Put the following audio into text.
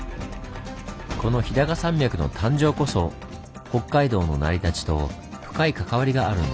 この日高山脈の誕生こそ北海道の成り立ちと深い関わりがあるんです。